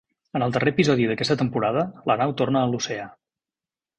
En el darrer episodi d'aquesta temporada, la nau torna a l'oceà.